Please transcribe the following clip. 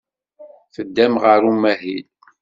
Teddam ɣer umahil.